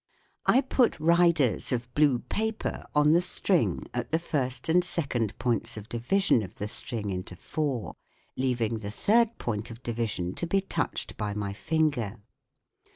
I put riders of blue paper on the string at the first and second points of division of the string into four, leaving the third point of division to be touched by my finger.